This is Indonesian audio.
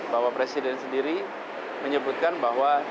bapak presiden sendiri menyebutkan bahwa